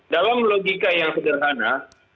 dalam logika yang sederhana